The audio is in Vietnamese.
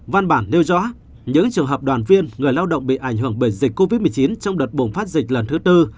văn bản nêu rõ những trường hợp đoàn viên người lao động bị ảnh hưởng bởi dịch covid một mươi chín trong đợt bùng phát dịch lần thứ tư